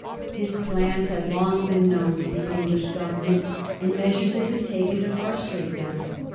His plans had long been known to the English Government, and measures had been taken to frus trate them.